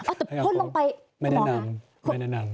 แต่พ่นลงไปไม่แนะนำ